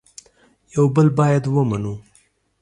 یو بل باید ومنو